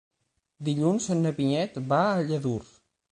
Dilluns na Vinyet va a Lladurs.